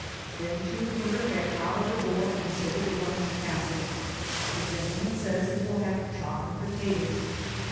Then she would put her head out of the door and say to the one in the passage " The gentleman says he 'will have chgp and potatoes."